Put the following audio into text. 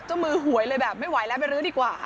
มือหวยเลยแบบไม่ไหวแล้วไปรื้อดีกว่า